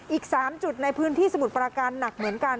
อีก๓จุดในพื้นที่สมุทรปราการหนักเหมือนกัน